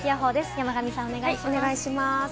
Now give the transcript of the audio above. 山神さん、お願いします。